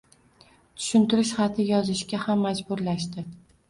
tushuntirish xati yozishga ham majburlashdi.